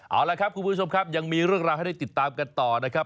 เอาละครับคุณผู้ชมครับยังมีเรื่องราวให้ได้ติดตามกันต่อนะครับ